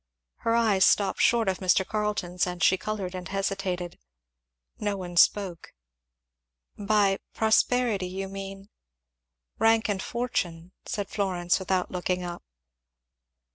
Her eyes stopped short of Mr. Carleton's and she coloured and hesitated. No one spoke. "By prosperity you mean ?" "Rank and fortune," said Florence, without looking up.